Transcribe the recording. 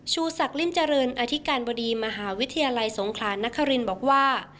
ชูศักดิมเจริญอธิการบดีมหาวิทยาลัยสงครานนครินบอกว่า